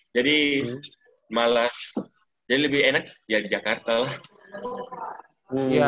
jadi malas jadi lebih enak ya di jakarta lah